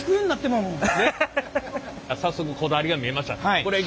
早速こだわりが見えましたね。